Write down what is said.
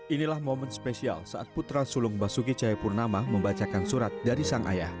inilah momen spesial saat putra sulung basuki cahayapurnama membacakan surat dari sang ayah